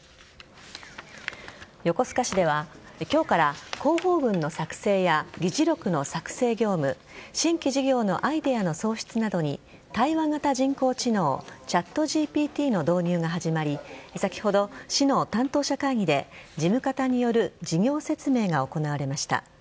横須賀市では今日から広報文の作成や議事録の作成業務新規事業のアイデアの創出などに対話型人工知能ＣｈａｔＧＰＴの導入が始まり先ほど、市の担当者会議で事務方による事業説明が行われました。